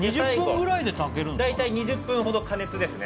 大体２０分ほど加熱ですね。